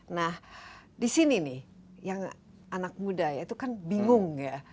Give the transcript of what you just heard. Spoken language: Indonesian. nah di sini nih yang anak muda ya itu kan bingung ya